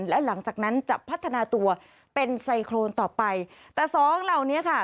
และหลังจากนั้นจะพัฒนาตัวเป็นไซโครนต่อไปแต่สองเหล่านี้ค่ะ